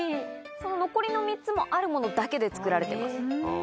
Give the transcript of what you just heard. その残りの３つもあるものだけで作られてます。